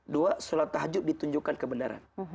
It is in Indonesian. dua sholat tahajud ditunjukkan kebenaran